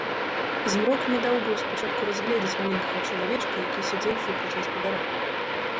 Змрок не даў быў спачатку разгледзець маленькага чалавечка, які сядзеў супраць гаспадара.